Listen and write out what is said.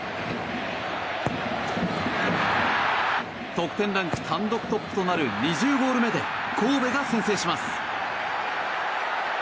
得点ランク単独トップとなる２０ゴール目で神戸が先制します。